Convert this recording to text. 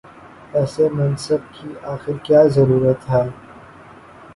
ایسے منصب کی آخر کیا ضرورت ہے؟